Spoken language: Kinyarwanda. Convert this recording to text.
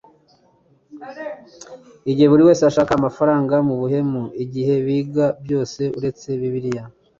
igihe buri wese ashaka amafaranga mu buhemu, igihe biga byose uretse Bibliya;